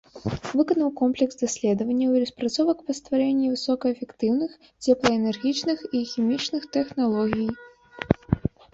Выканаў комплекс даследаванняў і распрацовак па стварэнні высокаэфектыўных цеплаэнергетычных і хімічных тэхналогій.